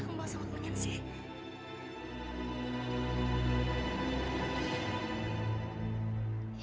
kembang sama kemenyan sih